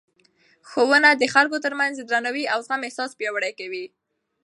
ښوونه د خلکو ترمنځ د درناوي او زغم احساس پیاوړی کوي.